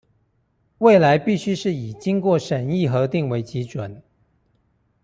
未來必須是以經過審議核定為基準